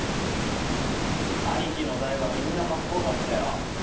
兄貴の代はみんなカッコ良かったよ。